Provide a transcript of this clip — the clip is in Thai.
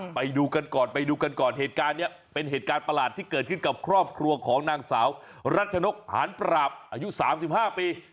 ไปดูกันก่อนเป็นเหตุการณ์ประหลาดที่เกิดขึ้นกับครอบครัวของนางสาวรัชนกฐานปราบอายุ๓๕ปี